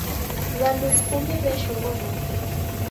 W'andu ikumi w'eshoghonoka.